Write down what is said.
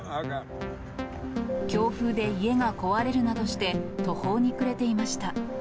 強風で家が壊れるなどして、途方に暮れていました。